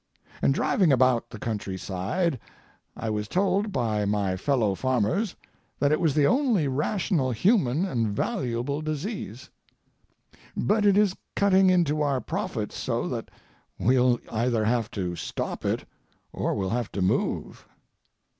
And driving about the country side I was told by my fellow farmers that it was the only rational human and valuable disease. But it is cutting into our profits so that we'll either have to stop it or we'll have to move.